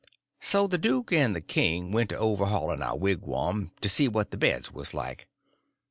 So the duke and the king went to overhauling our wigwam, to see what the beds was like.